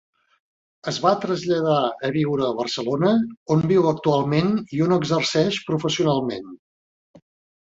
Es va traslladar a viure a Barcelona, on viu actualment i on exerceix professionalment.